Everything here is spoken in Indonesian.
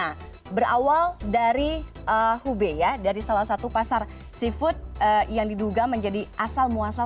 nah berawal dari hubei ya dari salah satu pasar seafood yang diduga menjadi asal muasal